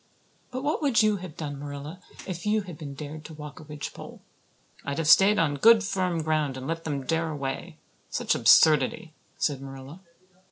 But what would you have done, Marilla, if you had been dared to walk a ridgepole?" "I'd have stayed on good firm ground and let them dare away. Such absurdity!" said Marilla.